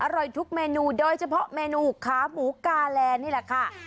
อร่อยทุกเมนูโดยเฉพาะเมนูขาหมูกาแลนี่แหละค่ะ